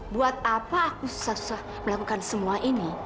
buat apa aku susah susah melakukan semua ini